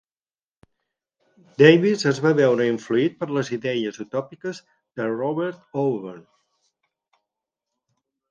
Davis es va veure influït per les idees utòpiques de Robert Owen.